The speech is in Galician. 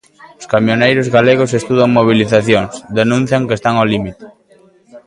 Os camioneiros galegos estudan mobilizacións; denuncian que están ao límite.